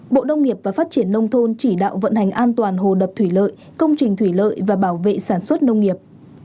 bộ nông nghiệp và phát triển nông thôn chỉ đạo vận hành an toàn hồ đập thủy lợi công trình thủy lợi và bảo vệ sản xuất nông nghiệp